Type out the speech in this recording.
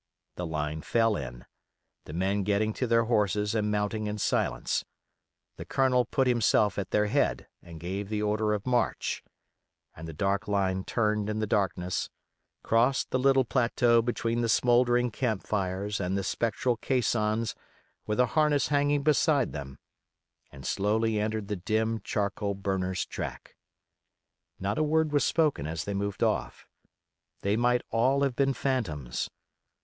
The line fell in, the men getting to their horses and mounting in silence; the Colonel put himself at their head and gave the order of march, and the dark line turned in the darkness, crossed the little plateau between the smouldering camp fires and the spectral caissons with the harness hanging beside them, and slowly entered the dim charcoal burner's track. Not a word was spoken as they moved off. They might all have been phantoms.